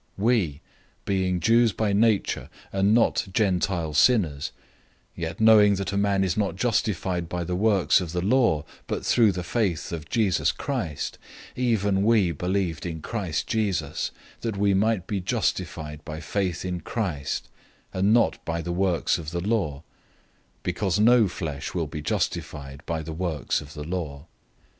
002:015 "We, being Jews by nature, and not Gentile sinners, 002:016 yet knowing that a man is not justified by the works of the law but through faith in Jesus Christ, even we believed in Christ Jesus, that we might be justified by faith in Christ, and not by the works of the law, because no flesh will be justified by the works of the law.